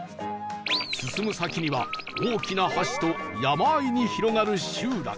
進む先には大きな橋と山あいに広がる集落